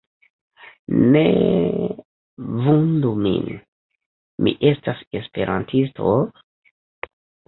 Neeee vundu min, mi estas Esperantisto...